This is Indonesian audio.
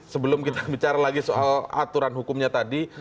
sebelum kita bicara lagi soal aturan hukumnya tadi